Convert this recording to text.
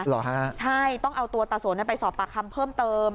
เหรอฮะใช่ต้องเอาตัวตาสนไปสอบปากคำเพิ่มเติม